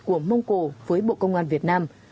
của mông cổ với bộ công an việt nam